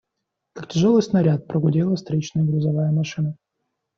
Как тяжелый снаряд, прогудела встречная грузовая машина.